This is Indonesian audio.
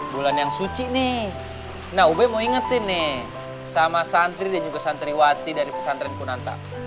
bulan yang suci nih nah ube mau ingetin nih sama santri dan juga santriwati dari pesantren kunanta